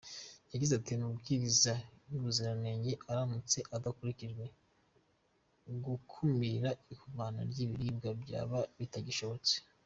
Yagize ati “Amabwiriza y’ubuziranenge aramutse adakurikijwe, gukumira ihumana ry’ibiribwa byaba bitagishobotse.